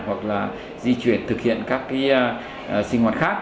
hoặc là di chuyển thực hiện các cái sinh hoạt khác